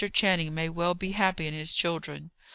Channing may well be happy in his children.